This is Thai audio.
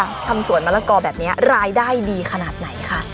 ทำสวนมะละกอแบบนี้รายได้ดีขนาดไหนคะ